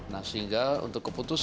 nah sehingga untuk keputusan